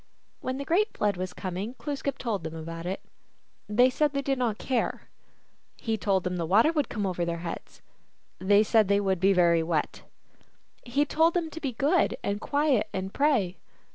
When the great Flood was coming Glooskap told them about it. They said they did not care. He told them the water would come over their heads. They said that would be very wet. He told them to be good and quiet, and pray.